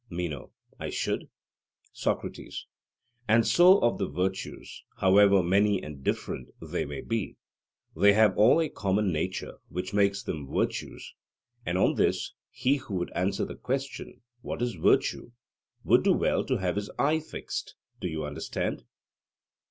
MENO: I should. SOCRATES: And so of the virtues, however many and different they may be, they have all a common nature which makes them virtues; and on this he who would answer the question, 'What is virtue?' would do well to have his eye fixed: Do you understand?